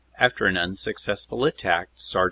After an unsuccessful attack, Sergt.